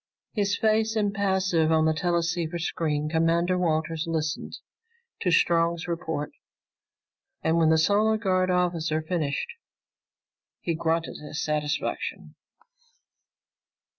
His face impassive on the teleceiver screen, Commander Walters listened to Strong's report, and when the Solar Guard officer finished, he grunted his satisfaction.